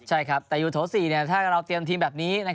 ใช่ครับแต่อยู่โถ๔ถ้าเราเตรียมทีมแบบนี้